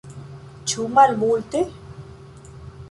Ĉu malmulte?